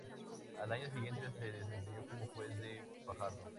Al año siguiente se desempeñó como juez de Fajardo.